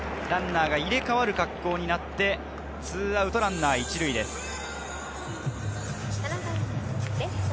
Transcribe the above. ランナーが入れ替わる格好になって２アウトランナー１塁です。